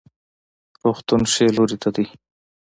روغتون ښي لوري ته دی